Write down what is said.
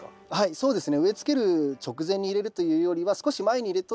そうですね。